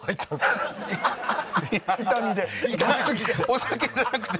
お酒じゃなくて？